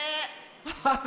ハッハハ！